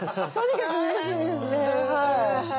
とにかくうれしいですね。